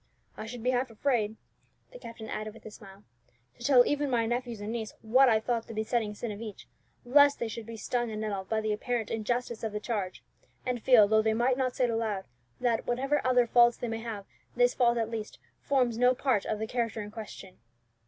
I should be half afraid," the captain added with a smile, "to tell even my nephews and niece what I thought the besetting sin of each, lest they should be 'stung and nettled by the apparent injustice of the charge,' and feel, though they might not say it aloud, that 'whatever other faults they may have, this fault, at least, forms no part of the character in question.'"